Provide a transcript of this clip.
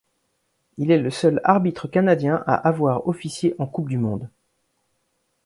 Il est le seul arbitre canadien à avoir officié en coupe du monde.